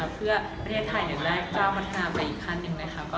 เพื่อประเทศไทยได้กล้าวพัฒนาไปอีกขั้นหนึ่ง